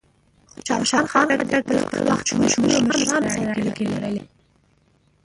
خوشحال خان خټک د خپل وخت د مشهورو مشرانو سره اړیکې لرلې.